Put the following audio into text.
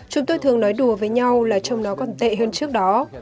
chúng tôi thường nói đùa với nhau là trong nó còn tệ hơn trước đó